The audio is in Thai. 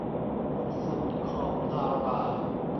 สุดขอบดารา